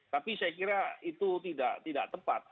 tapi saya kira itu tidak tepat